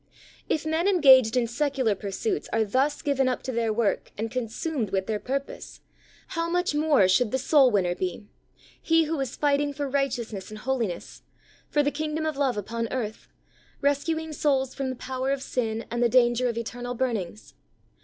If men engaged in secular pursuits are thus given up to their work and consumed with their purpose, how much more should AN UNDIVIDED HEART. 97 the soul winner be, he who is fighting for righteousness and holiness, for the kingdom of love upon earth, rescuing souls from the power of sin and the danger of eternal burn ings?